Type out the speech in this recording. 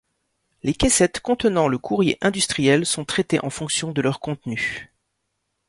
Les caissettes contenant le Courrier Industriel sont traitées en fonction de leur contenu.